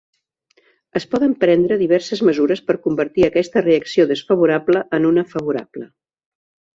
Es poden prendre diverses mesures per convertir aquesta reacció desfavorable en una favorable.